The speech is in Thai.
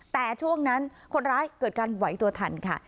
แต่ช่วงนั้นคนร้ายเกิดการไหวตัวทันค่ะ